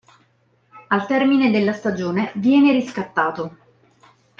Al termine della stagione viene riscattato.